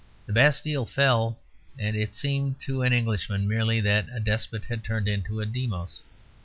The Bastille fell, and it seemed to an Englishman merely that a despot had turned into a demos.